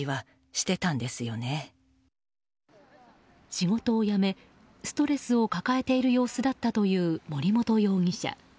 仕事を辞めストレスを抱えている様子だったという森本容疑者。